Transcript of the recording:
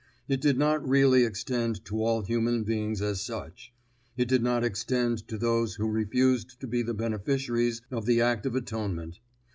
It did not really extend to all human beings as such; it did not extend to those who refused to be the beneficiaries of the act of atonement.